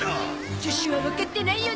女子はわかってないよね。